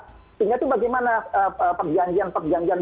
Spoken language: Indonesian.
sehingga itu bagaimana perjanjian perjanjian